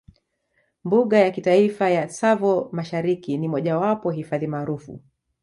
Mbuga ya Kitaifa ya Tsavo Mashariki ni mojawapo hifadhi maarufu